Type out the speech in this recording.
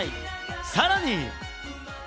さらに。